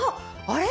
あれ？